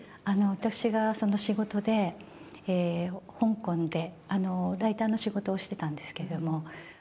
私が仕事で、香港で、ライターの仕事をしてたんですけれども。